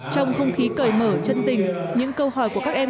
trong không khí cởi mở chân tình những câu hỏi của các em